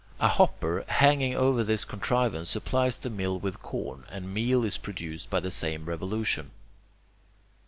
A hopper, hanging over this contrivance, supplies the mill with corn, and meal is produced by the same revolution.